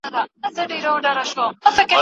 خپروي زړې تيارې پر ځوانو زړونو